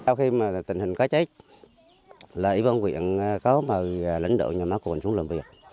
sau khi mà tình hình cá chết là quỹ bóng nguyện có mời lãnh đạo nhà má quỳnh xuống làm việc